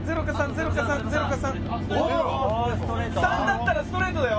３だったらストレートだよ。